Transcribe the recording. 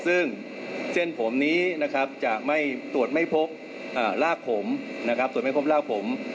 ซึ่งเส้นผมนี้จะตรวจไม่พบรากผม